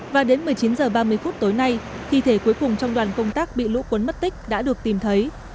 và đến một mươi chín h ba mươi phút tối nay thi thể cuối cùng trong đoàn công tác bị lũ cuốn mất tích đã được tìm thấy